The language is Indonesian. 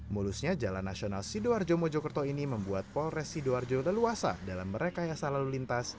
mulusnya jalan nasional sidoarjo mojokerto ini membuat polres sidoarjo leluasa dalam merekayasa lalu lintas